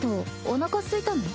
おなかすいたの？